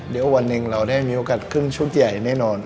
เดี๋ยววันหนึ่งเราได้มีโอกาสขึ้นชุดใหญ่แน่นอน